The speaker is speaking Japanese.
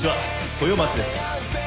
豊松です。